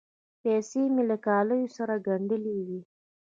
پیسې مې له کالیو سره ګنډلې وې.